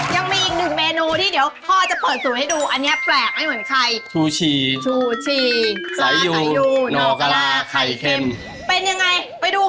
ยังมีอีก๑เมนูที่เดี๋ยวพ่อจะเปิดสูงให้ดู